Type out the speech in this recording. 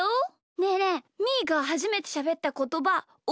ねえねえみーがはじめてしゃべったことばおぼえてる？